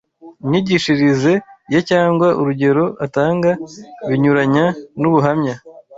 imyigishirize ye cyangwa urugero atanga binyuranya n’ubuhamya